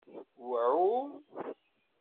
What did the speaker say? Wɛu.